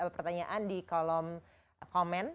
pertanyaan di kolom komen